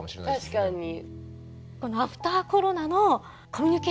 確かに。